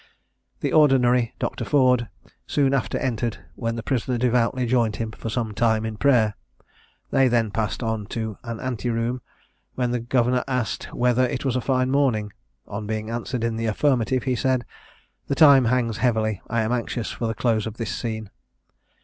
The Ordinary, Dr. Ford, soon after entered, when the prisoner devoutly joined him for some time in prayer. They then passed on to an ante room, when the governor asked "whether it was a fine morning?" On being answered in the affirmative, he said, "The time hangs heavily: I am anxious for the close of this scene."